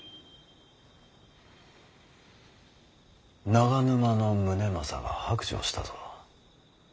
長沼宗政が白状したぞ。